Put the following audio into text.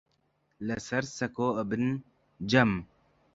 لەسەر سەکۆ ئەبن جەم